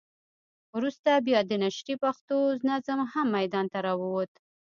وروسته بیا د نشرې پښتو نظم هم ميدان ته راووت.